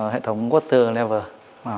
hệ thống water level